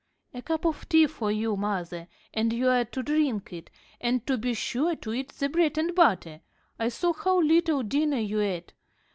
"A cup of tea for you, mother, and you are to drink it, and to be sure to eat the bread and butter. I saw how little dinner you ate.